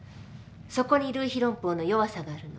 そこに類比論法の弱さがあるの。